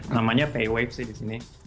namanya pay wave sih disini